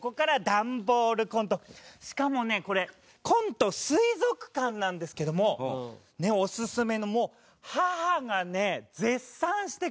しかもねこれコント「水族館」なんですけどもオススメのもう母がね絶賛してくれてこれ。